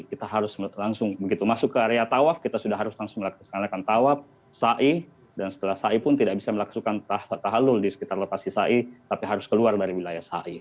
kita harus langsung begitu masuk ke area tawaf kita sudah harus langsung melaksanakan tawaf sa'i dan setelah sa'i pun tidak bisa melaksanakan tahalul di sekitar lepas si sa'i tapi harus keluar dari wilayah sa'i